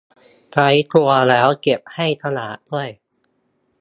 ใช้ครัวแล้วเก็บให้สะอาดด้วย